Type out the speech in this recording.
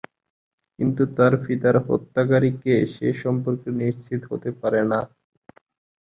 কিন্তু তার পিতার হত্যাকারী কে সে সম্পর্কে নিশ্চিত হতে পারেনা।